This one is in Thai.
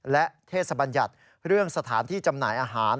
และเทศบัญญัติเรื่องสถานที่จำหน่ายอาหาร